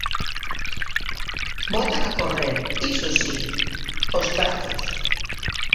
Botan a correr, iso si, os prazos.